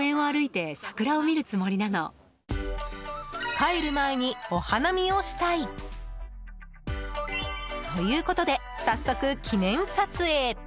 帰る前にお花見をしたい。ということで早速記念撮影。